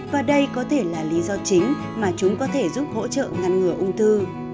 và đây có thể là lý do chính mà chúng có thể giúp hỗ trợ ngăn ngừa ung thư